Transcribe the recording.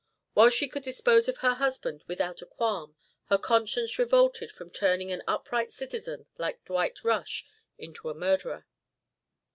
While she could dispose of her husband without a qualm, her conscience revolted from turning an upright citizen like Dwight Rush into a murderer.